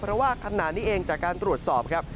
เพราะว่าขณะนี้เองจากการตรวจสอบครับ